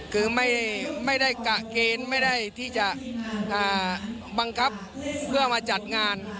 คือไม่ได้กะเกณฑ์ไม่ได้ที่จะบังคับเพื่อมาจัดงาน